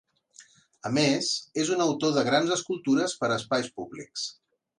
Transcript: A més, és un autor de grans escultures per a espais públics.